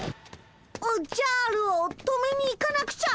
おっじゃるを止めに行かなくちゃ！